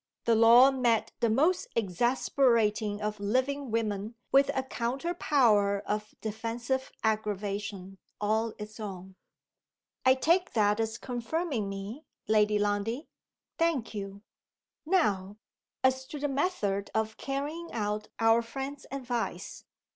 The law met the most exasperating of living women with a counter power of defensive aggravation all its own!) "I take that as confirming me, Lady Lundie. Thank you. Now, as to the method of carrying out our friend's advice.